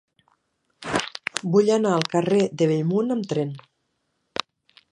Vull anar al carrer de Bellmunt amb tren.